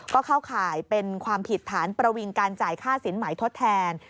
ก็เข้าข่ายเป็นความผิดฐานประวิงการจ่ายค่าสินหมายทดแทน